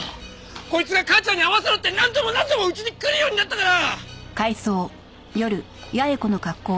こいつが母ちゃんに会わせろって何度も何度もうちに来るようになったから！